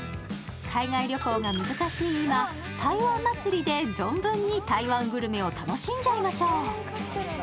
海外旅行が難しい今、台湾祭で存分に台湾グルメを楽しんじゃいましょう。